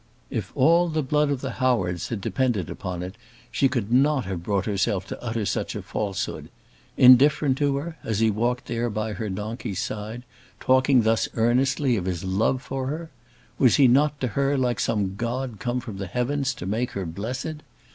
If "all the blood of the Howards" had depended upon it, she could not have brought herself to utter such a falsehood. Indifferent to her, as he walked there by her donkey's side, talking thus earnestly of his love for her! Was he not to her like some god come from the heavens to make her blessed?